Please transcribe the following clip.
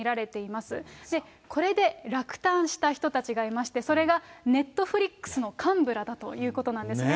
そしてこれで落胆した人たちがいまして、それがネットフリックスの幹部らだということなんですね。